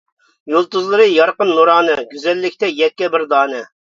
يۇلتۇزلىرى يارقىن نۇرانە، گۈزەللىكتە يەككە بىر دانە.